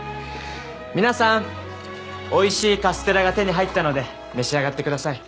皆さんおいしいカステラが手に入ったので召し上がってください。